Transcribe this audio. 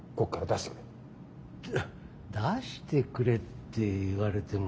出してくれって言われてもさ。